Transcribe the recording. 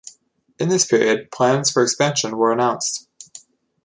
In this period, plans for expansion were announced.